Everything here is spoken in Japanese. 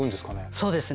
そうですね。